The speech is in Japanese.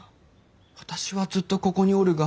私はずっとここにおるが。